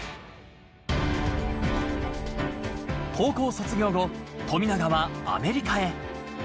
高校卒業後、富永はアメリカへ。